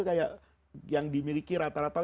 kayak yang dimiliki rata rata